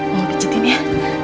mau bikin cutin ya